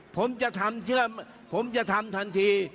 ผมจะทำทันที